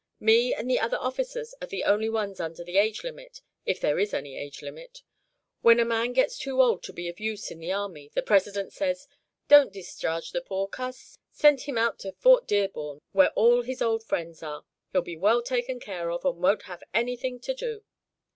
Me and the other officers are the only ones under the age limit, if there is any age limit. When a man gets too old to be of use in the army, the President says: 'Don't discharge the poor cuss send him out to Fort Dearborn, where all his old friends are. He'll be well taken care of, and won't have anything to do.'